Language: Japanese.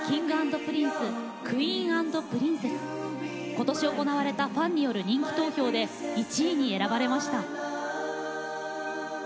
今年、行われたファンによる人気投票で１位に選ばれました。